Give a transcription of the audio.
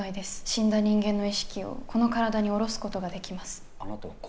死んだ人間の意識をこの体に降ろすことができます。